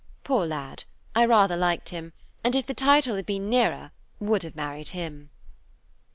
Poor lad, I rather liked him, and if the title had been nearer would have married him.